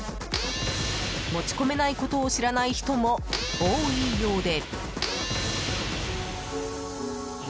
持ち込めないことを知らない人も多いようで。